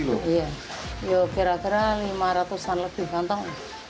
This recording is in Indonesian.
iya kira kira lima ratus an lebih kantong